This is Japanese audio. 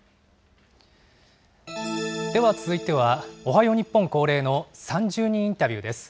では続いては、おはよう日本恒例の３０人インタビューです。